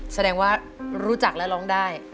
แสดงว่ารู้จักและร้องได้